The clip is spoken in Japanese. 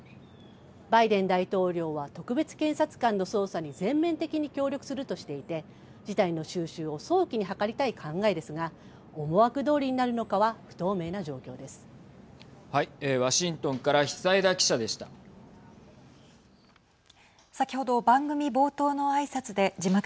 バイデン大統領は特別検察官の捜査に全面的に協力するとしていて事態の収拾を早期に図りたい考えですが思惑どおりになるのかは不透明な状況です。